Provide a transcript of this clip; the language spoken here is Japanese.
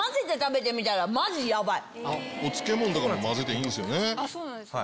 お漬物とかも混ぜていいんすよね。